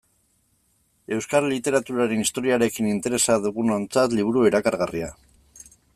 Euskal literaturaren historiarekin interesa dugunontzat liburu erakargarria.